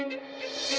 baring di lantai